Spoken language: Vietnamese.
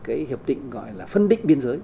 cái hiệp định gọi là phân định biên giới